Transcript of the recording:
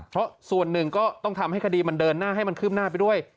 เพราะส่วนหนึ่งก็ต้องทำให้คดีมันเดินหน้าให้มันคืบหน้าไปด้วย